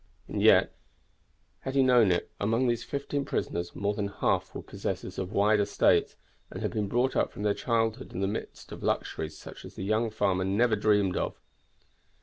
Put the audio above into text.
And yet, had he known it, among those fifteen prisoners more than half were possessors of wide estates, and had been brought up from their childhood in the midst of luxuries such as the young farmer never dreamed of.